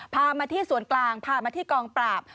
พามาที่ส่วนกลางพามาที่กองปราบ